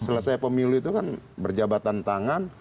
selesai pemilu itu kan berjabatan tangan